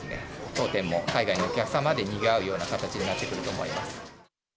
当店も海外のお客様でにぎわうような形になってくると思います。